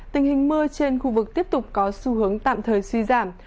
tình hình mưa trên khu vực tiếp tục có xu hướng tạm thời suy giảm